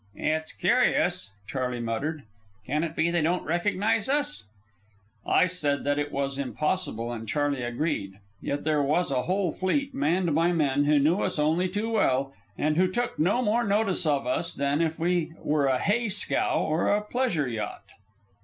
"It's curious," Charley muttered. "Can it be they don't recognize us?" I said that it was impossible, and Charley agreed; yet there was a whole fleet, manned by men who knew us only too well, and who took no more notice of us than if we were a hay scow or a pleasure yacht.